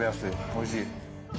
おいしい。